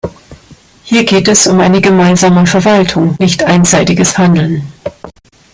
Hier geht es um eine gemeinsame Verwaltung, nicht einseitiges Handeln.